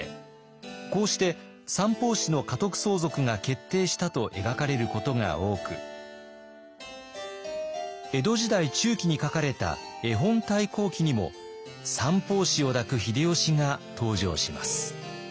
こうして三法師の家督相続が決定したと描かれることが多く江戸時代中期に書かれた「絵本太閤記」にも三法師を抱く秀吉が登場します。